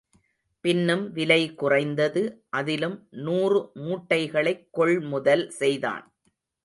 பின்னும் விலை குறைந்தது அதிலும் நூறு மூட்டைகளைக் கொள்முதல் செய்தான்.